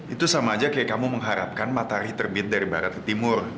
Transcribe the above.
itu sama aja kayak kamu mengharapkan matahari terbit dari barat ke timur